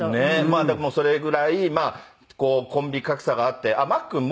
まあでもそれぐらいコンビ格差があってマックン